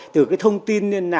từ cái thông tin